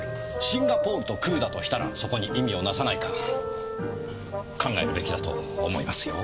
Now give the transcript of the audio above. シンガポールと空だとしたらそこに意味をなさないか考えるべきだと思いますよ。